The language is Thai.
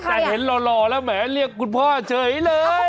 แต่เห็นหล่อแล้วแหมเรียกคุณพ่อเฉยเลย